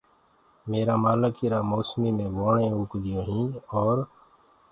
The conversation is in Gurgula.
ميرآ مآلڪ ايٚرآ موسميٚ مي ووڻينٚ اوگديونٚ هينٚ اور